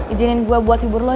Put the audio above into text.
ijinin gue buat hibur lo ya